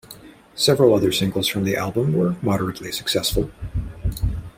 Several other singles from the album were moderately successful.